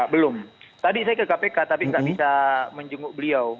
belum tadi saya ke kpk tapi nggak bisa menjenguk beliau